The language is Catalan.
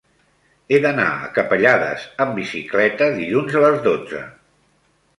He d'anar a Capellades amb bicicleta dilluns a les dotze.